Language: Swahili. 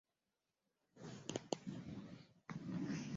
Pendo halimfanyii jirani neno baya basi pendo ndilo utimilifu wa sheria